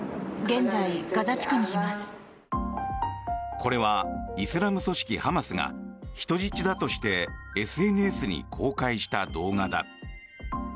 これはイスラム組織ハマスが人質だとしてＳＮＳに公開した動画だ。